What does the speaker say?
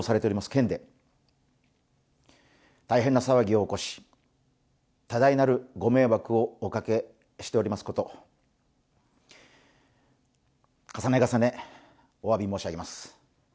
件で大変な騒ぎを起こし多大なるご迷惑をおかけしておりますこと、重ね重ねおわび申し上げます。